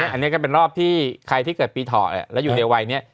อันนี้ก็เป็นรอบที่ใครที่เกิดปีเถาะแล้วอยู่ในวัยนี้